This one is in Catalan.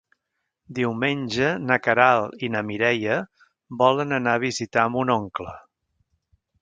Diumenge na Queralt i na Mireia volen anar a visitar mon oncle.